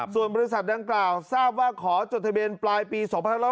ส่วนบริษัทดังกล่าวทราบว่าขอจดทะเบียนปลายปี๒๕๖๒